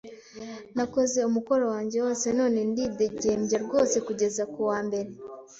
Nakoze umukoro wanjye wose none ndidegembya rwose kugeza kuwa mbere.